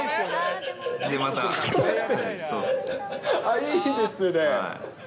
いいですね。